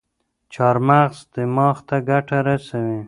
چارمغز دماغ ته ګټه رسوي.